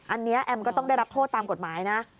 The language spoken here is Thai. อันนี้แอมก็ต้องได้รับโทษตามกฎหมายนะ